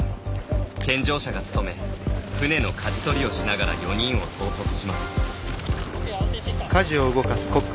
健常者が務め舟のかじ取りをしながら４人を統率します。